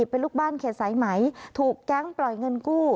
เป็นลูกบ้านเขตสายไหมถูกแก๊งปล่อยเงินกู้